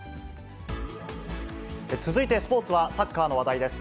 続いてスポーツはサッカーの話題です。